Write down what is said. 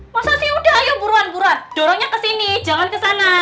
masa sih udah ayo buruan buruan dorongnya ke sini jangan ke sana